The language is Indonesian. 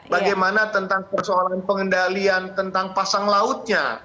bagaimana tentang persoalan pengendalian tentang pasang lautnya